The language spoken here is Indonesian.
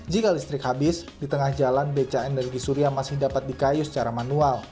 jika listrik habis di tengah jalan becak energi surya masih dapat dikayuh secara manual